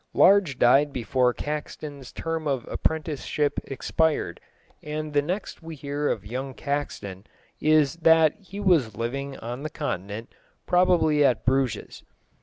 Large died before Caxton's term of apprenticeship expired, and the next we hear of young Caxton is that he was living on the Continent, probably at Bruges.